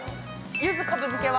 柚子かぶ漬けは？